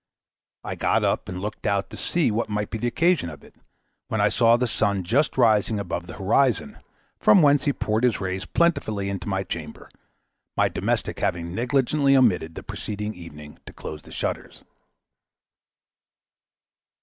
I got up and looked out to see what might be the occasion of it, when I saw the sun just rising above the horizon, from whence he poured his rays plentifully into my chamber, my domestic having negligently omitted, the preceding evening, to close the shutters.